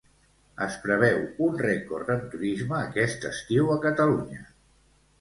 Es preveu un rècord en turisme aquest estiu a Catalunya.